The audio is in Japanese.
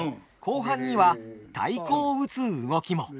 後半には太鼓を打つ動きも。